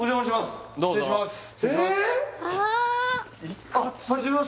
失礼します